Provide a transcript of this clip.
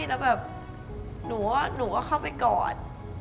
หนูว่าหนูก็เข้าไปกอด